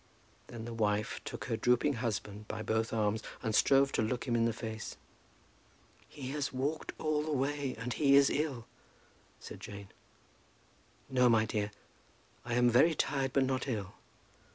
Then the wife took her drooping husband by both arms and strove to look him in the face. "He has walked all the way, and he is ill," said Jane. "No, my dear, I am very tired, but not ill.